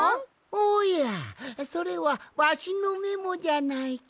おやそれはわしのメモじゃないか。